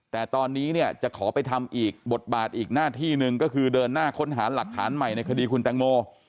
แต่ตอนนี้เนี่ยจะขอไปทำอีกบทบาทอีกหน้าที่หนึ่งก็คือเดินหน้าค้นหาหลักฐานใหม่ในคดีคุณแตงโม